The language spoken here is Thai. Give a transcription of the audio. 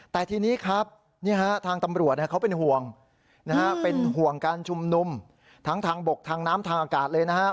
แต่ทีนี้ครับทางตำรวจเขาเป็นห่วงนะฮะเป็นห่วงการชุมนุมทั้งทางบกทางน้ำทางอากาศเลยนะครับ